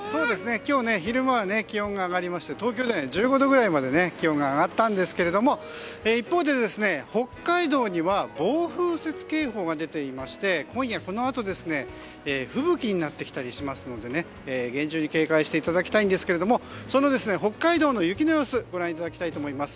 今日は昼間は気温が上がりまして東京で１５度ぐらいまで気温が上がったんですけれども一方で北海道には暴風雪警報が出ていまして今夜このあと吹雪になってきたりしますので厳重に警戒していただきたいんですけれどもその北海道の雪の様子をご覧いただきます。